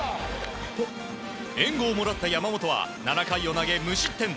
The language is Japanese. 援護をもらった山本は７回を投げ無失点。